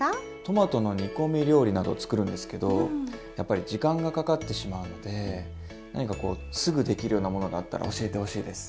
トマトの煮込み料理など作るんですけどやっぱり時間がかかってしまうので何かこうすぐできるようなものがあったら教えてほしいです。